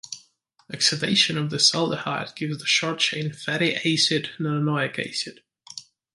Oxidation of this aldehyde gives the short-chain fatty acid nonanoic acid.